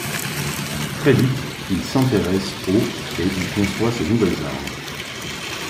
Très vite, il s'intéresse au et y conçoit ses nouvelles armes.